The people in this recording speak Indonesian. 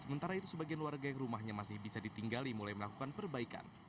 sementara itu sebagian warga yang rumahnya masih bisa ditinggali mulai melakukan perbaikan